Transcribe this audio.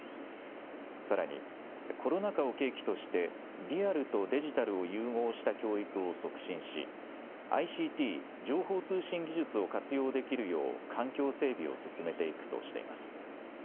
さらにコロナ禍を契機としてリアルとデジタルを融合した教育を促進しＩＣＴ・情報通信技術を活用できるよう環境整備を進めていくとしています。